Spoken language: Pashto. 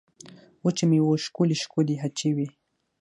وچو مېوو ښکلې ښکلې هټۍ وې.